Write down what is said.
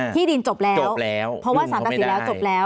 ที่ดินจบแล้วเพราะว่า๓ปัจจุแล้วจบแล้ว